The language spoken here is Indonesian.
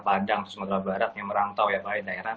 padang atau sumatera barat yang merantau ya pak